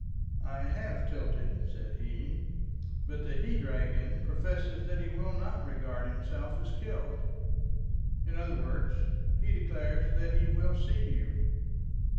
"I have tilted," said he, "but the he dragon professes that he will not regard himself as killed. In other words he declares that he will see you."